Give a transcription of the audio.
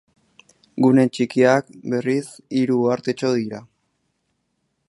Gune txikiak, berriz, hiru uhartetxo dira.